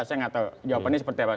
saya nggak tahu jawabannya seperti apa